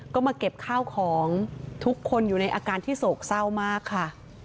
ก็มาเก็บข้าวของทุกคนอยู่ในอาการที่โศกเศร้ามากค่ะ